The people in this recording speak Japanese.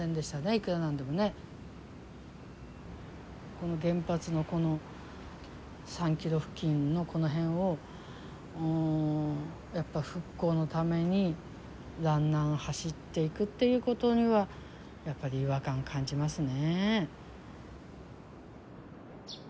この原発のこの３ｋｍ付近のこの辺をやっぱ復興のためにランナーが走っていくっていうことにはやっぱり違和感感じますね。